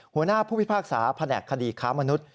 หัวหน้าผู้พิพากษาแผนกคดีค้ามนุษย